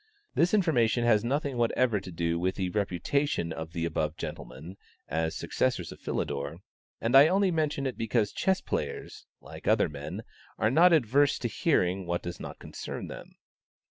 This information has nothing whatever to do with the reputation of the above gentlemen, as successors of Philidor, and I only mention it because chess players, like other men, are not adverse to hearing what does not concern them.